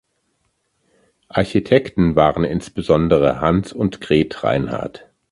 Architekten waren insbesondere Hans und Gret Reinhard.